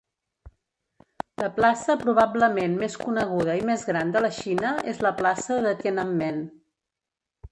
La plaça probablement més coneguda i més gran de la Xina és la plaça de Tienanmen.